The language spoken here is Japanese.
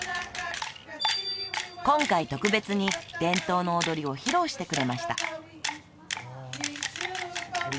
今回特別に伝統の踊りを披露してくれました